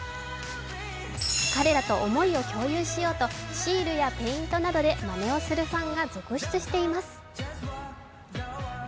彼らと思いを共有しようと、シールやペイントなどでまねをするファンが続出しています。